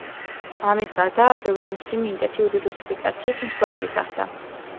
ამის გარდა, ბევრი მუსლიმი ინტენსიური რუსიფიკაციის მსხვერპლი გახდა.